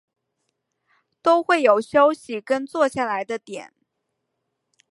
都会有休息跟坐下来的点